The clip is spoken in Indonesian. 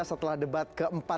setelah debat keempat ini